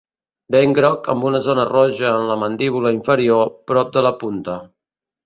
Bec groc amb una zona roja en la mandíbula inferior, prop de la punta.